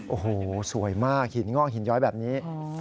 โอ้โหสวยมากหินงอกหินย้อยแบบนี้